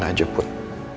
tenang aja put